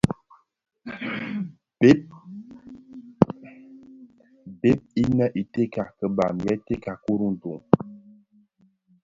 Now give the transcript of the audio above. Bêp inê i tèka kibàm yêê tèka kurundùng.